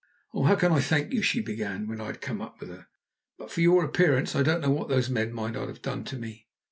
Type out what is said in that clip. "Oh, how can I thank you?" she began, when I had come up with her. "But for your appearance I don't know what those men might not have done to me."